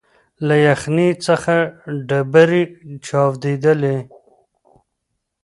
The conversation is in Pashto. له یخنۍ څخه ډبري چاودېدلې